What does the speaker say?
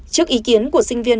trước ý kiến của sinh viên